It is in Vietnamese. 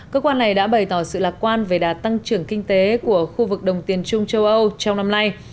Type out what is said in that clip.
cơ quan này đã bày tỏ sự lạc quan về đạt tăng trưởng kinh tế của khu vực đồng tiền chung châu âu trong năm nay